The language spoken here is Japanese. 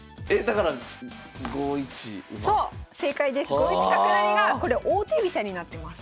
５一角成がこれ王手飛車になってます。